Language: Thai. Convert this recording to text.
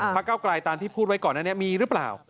ภักดิ์ก้าวกลายตามที่พูดไว้ก่อนนั้นมีหรือเปล่า